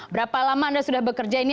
berapa lama anda sudah bekerja ini